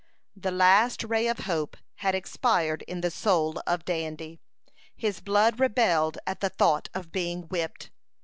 The last ray of hope had expired in the soul of Dandy. His blood rebelled at the thought of being whipped.